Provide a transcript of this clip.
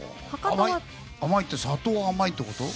甘いって砂糖が甘いってこと？